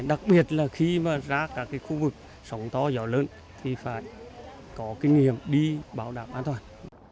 đặc biệt là khi mà ra các khu vực sóng to gió lớn thì phải có kinh nghiệm đi bảo đảm an toàn